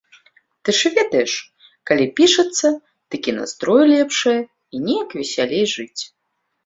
Ты ж ведаеш, калі пішацца, дык і настрой лепшае, і неяк весялей жыць.